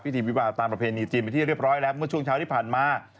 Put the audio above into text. ทีวิวาตามประเพณีจีนไปที่เรียบร้อยแล้วเมื่อช่วงเช้าที่ผ่านมา